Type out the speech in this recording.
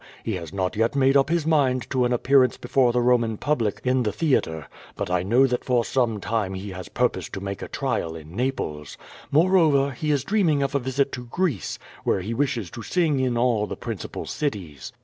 He has not yet made up his mind to an appearance before the Ro man public in the theatre, but I know that for some time he has purposed to make a trial in Naples. Moreover, he is dreaming of a visit to Greece, where he wishes to sing in all the principal cities.